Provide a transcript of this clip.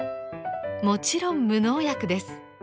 もちろん無農薬です。